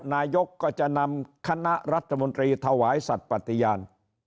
นายกก็จะนำคณะรัฐมนตรีถวายสัตว์ปฏิญาณ